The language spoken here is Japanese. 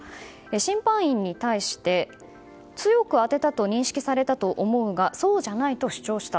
審判員に対して強く当てたと認識されたと思うが、そうじゃないと主張した。